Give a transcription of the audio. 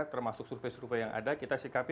termasuk survei survei yang ada kita sikapi